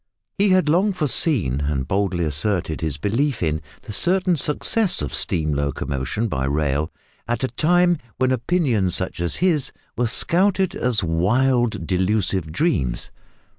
He had long foreseen, and boldly asserted his belief in, the certain success of steam locomotion by rail, at a time when opinions such as his were scouted as wild delusive dreams.